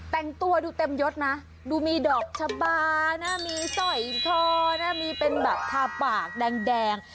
แต่งตัวดูเต็มยดนะดูมีดอกชะบานะมีสร้อยคอนะมีเป็นแบบทาปากแดง